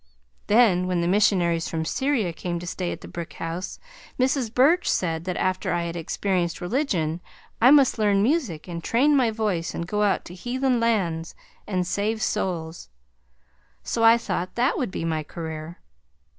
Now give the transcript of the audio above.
Then when the missionaries from Syria came to stay at the brick house Mrs. Burch said that after I had experienced religion I must learn music and train my voice and go out to heathen lands and save souls, so I thought that would be my career.